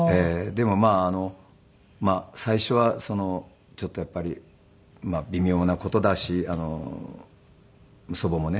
でもまあ最初はちょっとやっぱり微妙な事だし祖母もね